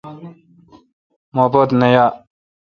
مو پت نہ یا۔